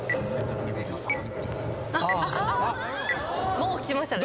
もうきましたね。